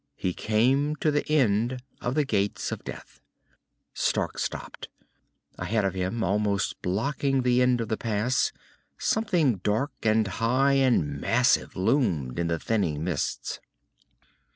He came to the end of the Gates of Death. Stark stopped. Ahead of him, almost blocking the end of the pass, something dark and high and massive loomed in the thinning mists.